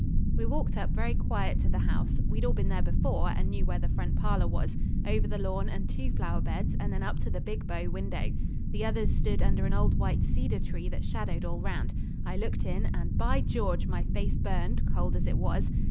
We walked up very quiet to the house we'd all been there before, and knew where the front parlour was over the lawn and two flower beds, and then up to the big bow window. The others stood under an old white cedar tree that shadowed all round. I looked in, and, by George! my face burned, cold as it was.